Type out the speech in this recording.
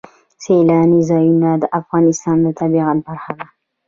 سیلانی ځایونه د افغانستان د طبیعت برخه ده.